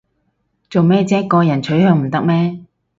做咩唧個人取向唔得咩